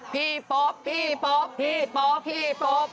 พี่โป๊ปพี่โป๊ปพี่โป๊ปพี่โป๊ป